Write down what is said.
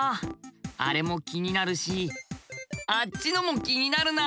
あれも気になるしあっちのも気になるな。